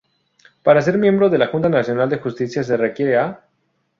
Para ser miembro de la Junta Nacional de Justicia se requiere: a.